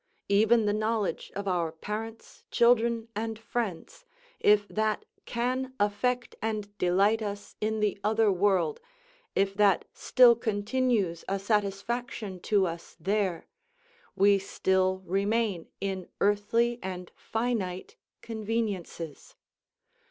Even the knowledge of our parents, children, and friends, if that can affect and delight us in the other world, if that still continues a satisfaction to us there, we still remain in earthly and finite conveniences.